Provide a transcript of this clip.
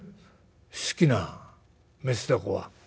「好きなメスダコは？」。